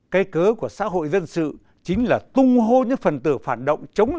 cây cớ của xã hội dân sự chính là tung hô những phần từ phản động